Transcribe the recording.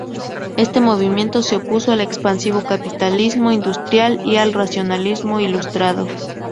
Este movimiento se opuso al expansivo capitalismo industrial y al racionalismo ilustrado.